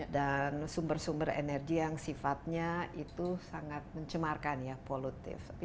dan sumber sumber energi yang sifatnya itu sangat mencemarkan ya polutif